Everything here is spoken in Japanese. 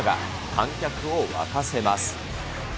観客を沸かせます。